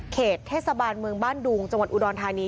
เขตเทศบาลเมืองบ้านดุงจังหวัดอุดรธานี